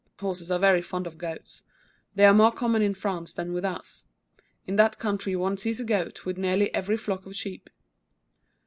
Horses are very fond of goats. They are more common in France than with us. In that country one sees a goat with nearly every flock of sheep.